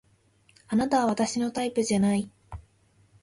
あなたは私のタイプじゃない